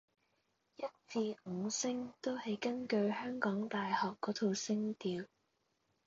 一至五聲都係根據香港大學嗰套聲調